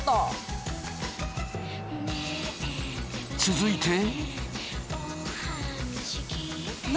続いて。